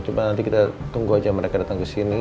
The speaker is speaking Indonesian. coba nanti kita tunggu aja mereka datang ke sini